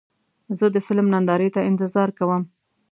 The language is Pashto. زه د فلم نندارې ته انتظار کوم.